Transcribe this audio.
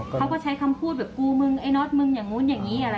เขาก็ใช้คำพูดแบบกูมึงไอ๊น็อทมึงยังงู้นยังงี้